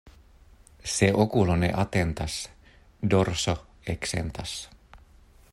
Se okulo ne atentas, dorso eksentas.